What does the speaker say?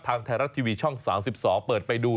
ทางไทยรัฐทีวีช่อง๓๒เปิดไปดู